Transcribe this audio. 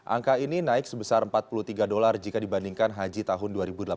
angka ini naik sebesar empat puluh tiga dolar jika dibandingkan haji tahun dua ribu delapan belas